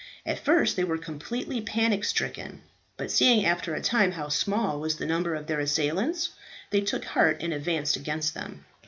At first they were completely panic stricken. But seeing after a time how small was the number of their assailants, they took heart and advanced against them.